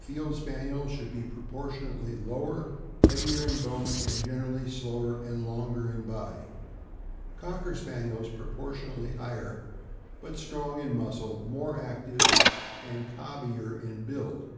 Field Spaniels should be proportionately lower, heavier in bone, and gen erally slower, and longer in body; Cocker Spaniels, pro portionately higher, but strong in muscle, more active, and cobbier in build.